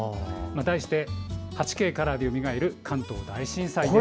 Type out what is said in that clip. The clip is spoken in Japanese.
題して「８Ｋカラーでよみがえる関東大震災」です。